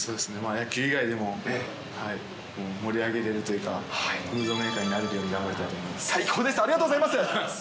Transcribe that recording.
野球以外でも、盛り上げれるというか、ムードメーカーになれるように頑張りたい最高です、ありがとうございます。